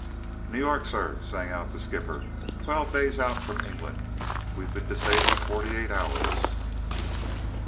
"New York, sir," sang out the skipper. "Twelve days out from England. We've been disabled forty eight hours."